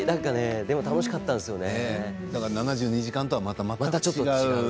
でも楽しかったんですよね。